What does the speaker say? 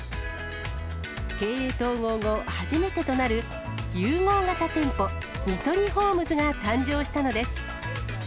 経営統合後初めてとなる融合型店舗、ニトリホームズが誕生したのです。